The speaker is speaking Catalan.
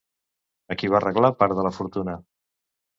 A qui va reglar part de la fortuna?